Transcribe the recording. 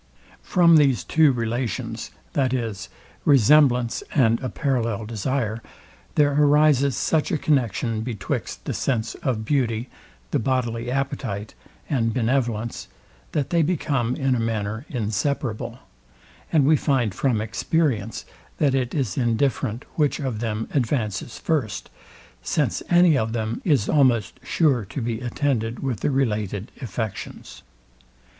From these two relations, viz, resemblance and a parallel desire, there arises such a connexion betwixt the sense of beauty, the bodily appetite, and benevolence, that they become in a manner inseparable: And we find from experience that it is indifferent which of them advances first; since any of them is almost sure to be attended with the related affections.